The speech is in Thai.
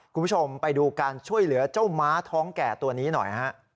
คุณผู้ชมไปดูการช่วยเหลือเจ้าม้าท้องแก่ตัวนี้หน่อยฮะ